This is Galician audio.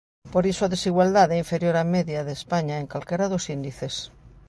Por iso a desigualdade é inferior á media de España en calquera dos índices.